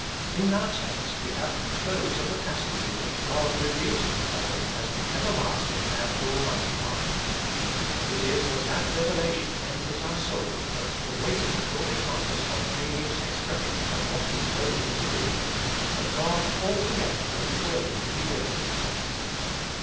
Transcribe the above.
In our text we have the close of a passage in which God reveals Himself as the Everlasting and Almighty One, It is as that revelation enters our soul that the waiting will become the spontaneous expression of what we know Him to he — a God altogether most worthy to be waited upon.